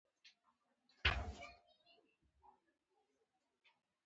په اول ځل مخامخ کېدو مې زړه ته ننوته.